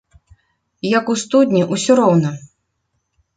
Як у студні ўсё роўна.